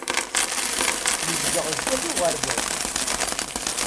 Nezdeɣ sdat uɣerbaz.